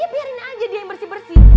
biarin aja dia yang bersih bersih